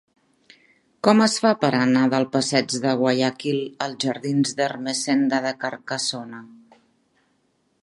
Com es fa per anar del passeig de Guayaquil als jardins d'Ermessenda de Carcassona?